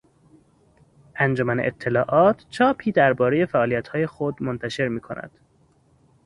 انجمن اطلاعات چاپی دربارهی فعالیتهای خود منتشر میکند.